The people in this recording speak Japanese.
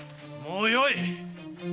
もうよい！